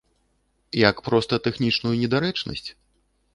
Як проста тэхнічную недарэчнасць?